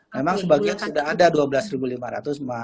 memang sebagian sudah ada dua belas lima ratus